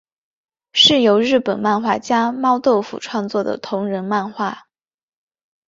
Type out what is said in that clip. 是由日本漫画家猫豆腐创作的同人漫画。